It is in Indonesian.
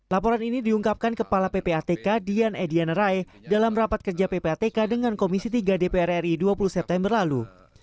laporan ini diungkapkan kepala ppatk dian ediana rai dalam rapat kerja ppatk dengan komisi tiga dpr ri dua puluh september lalu